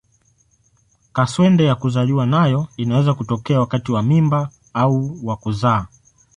Kaswende ya kuzaliwa nayo inaweza kutokea wakati wa mimba au wa kuzaa.